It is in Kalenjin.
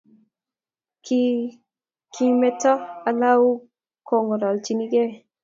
Ki kimeto alua kongololchinikei